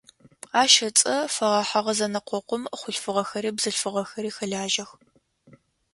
Ащ ыцӏэ фэгъэхьыгъэ зэнэкъокъум хъулъфыгъэхэри бзылъфыгъэхэри хэлажьэх.